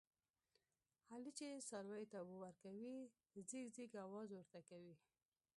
علي چې څارویو ته اوبه ورکوي، ځیږ ځیږ اواز ورته کوي.